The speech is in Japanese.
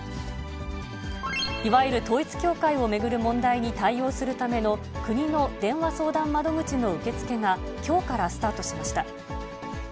いわゆる統一教会を巡る問題に対応するための国の電話相談窓口の受け付けが、きょうからスタートしました。